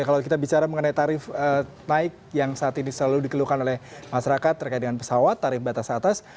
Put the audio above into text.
kalau kita bicara mengenai tarif naik yang saat ini selalu dikeluhkan oleh masyarakat terkait dengan pesawat tarif batas atas